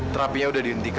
terapinya udah dihentikan ma